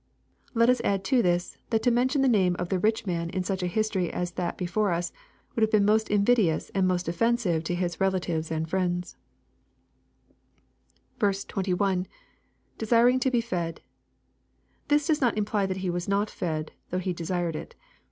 Let us add to this, that to mention the name of the rich man in such a history as that before us, would have been most invidious, and most offensive to his relatives and frieuds, 21. — [Dedring to he fed.] This does not imply that he was not fed, though he desired it.